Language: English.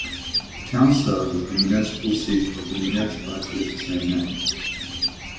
The town serves as the municipal seat of the municipality of the same name.